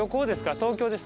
東京です。